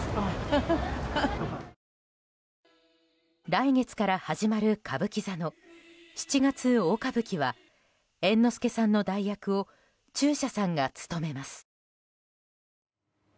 来月から始まる歌舞伎座の「七月大歌舞伎」は猿之助さんの代役を中車さんが務めます。